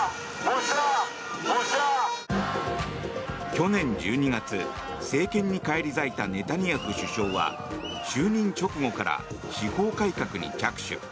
去年１２月、政権に返り咲いたネタニヤフ首相は就任直後から司法改革に着手。